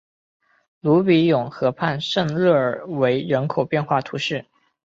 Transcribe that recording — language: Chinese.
鲁比永河畔圣热尔韦人口变化图示